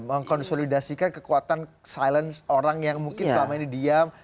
mengkonsolidasikan kekuatan silence orang yang mungkin selama ini diam